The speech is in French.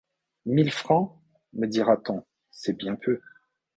Mille francs, me dira-t-on, c’est bien peu !